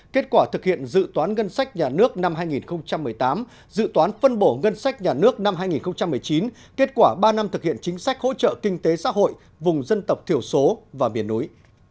kết quả thực hiện dự toán ngân sách nhà nước năm hai nghìn một mươi tám dự toán phân bổ ngân sách nhà nước năm hai nghìn một mươi chín kết quả ba năm thực hiện chính sách hỗ trợ kinh tế xã hội vùng dân tộc thiểu số và miền núi